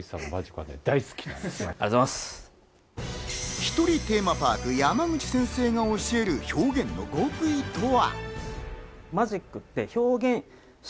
１人テーマパーク・山口先生が教える表現の極意とは？